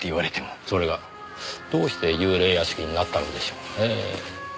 それがどうして幽霊屋敷になったのでしょうねぇ。